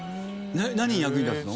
何に役に立つの？